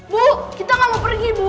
bu kita gak mau pergi bu